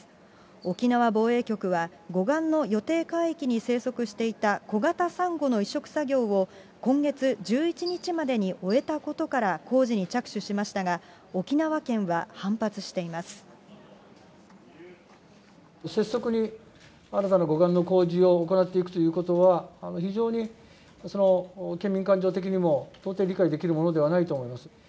沖縄防衛局は、護岸の予定海域に生息していた小型さんごの移植作業を今月１１日までに終えたことから、工事に着手しましたが、沖縄県は反発して拙速に新たな護岸の工事を行っていくということは、非常に県民感情的にも到底理解できるもの